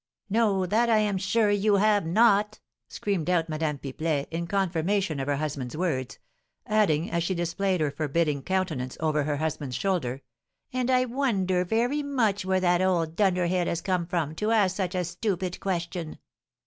"No, that I'm sure you have not!" screamed out Madame Pipelet, in confirmation of her husband's words; adding, as she displayed her forbidding countenance over her husband's shoulder, "and I wonder very much where that old dunderhead has come from to ask such a stupid question?"